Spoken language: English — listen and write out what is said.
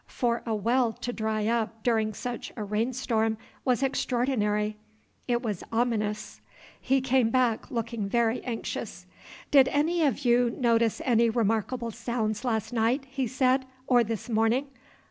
For a well to dry up during such a rain storm was extraordinary, it was ominous. He came back, looking very anxious. "Did any of you notice any remarkable sounds last night," he said, "or this morning?